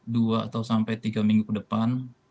dua atau sampai tiga minggu ke depan